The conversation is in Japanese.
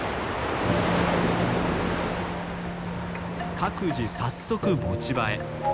各自早速持ち場へ。